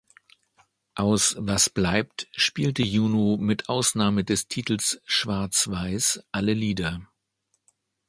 Aus "Was bleibt" spielte Juno mit Ausnahme des Titels "Schwarz weiß" alle Lieder.